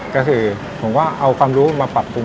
ก็คือผมก็เอาความรู้มาปรับปรุง